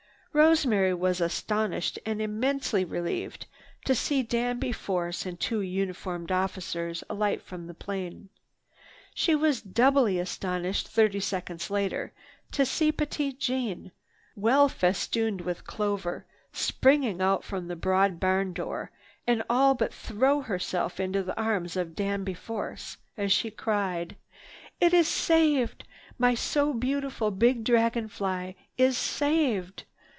Rosemary was astonished and immensely relieved to see Danby Force and two uniformed officers alight from the plane. She was doubly astonished thirty seconds later to see Petite Jeanne, well festooned with clover, spring out from the broad barn door and all but throw herself into the arms of Danby Force as she cried: "It is saved! My so beautiful big dragon fly is saved!